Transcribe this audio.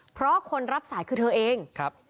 เพราะคนรับสายคือเธอเองครับ